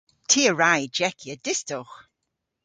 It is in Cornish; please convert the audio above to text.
Ty a wra y jeckya distowgh.